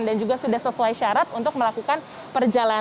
dan juga sudah sesuai syarat untuk melakukan perjalanan